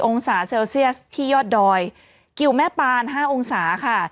องศาเซลเซียสที่ยอดดอยกิวแม่ปาน๕องศาค่ะ